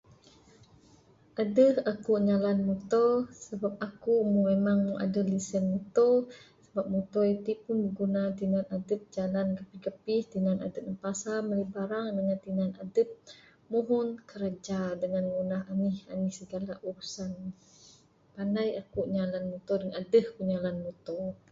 Adeh aku nyalan muto sebab aku memang adeh lisen muto. Sebab muto iti pun biguna tinan adep jalan gapih gapih tinan adep neg pasar mirih barang dangan adep muhun kerja ngan ngunah anih anih segala urusan. Panai ku nyalan muto dangan adeh ku nyalan muto